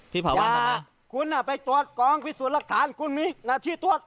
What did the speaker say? พี่เผาบ้านทำไมคุณอ่ะไปตรวจกองพิสูจน์ลักษณะคุณมีหน้าที่ตรวจ